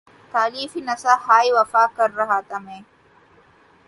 تالیف نسخہ ہائے وفا کر رہا تھا میں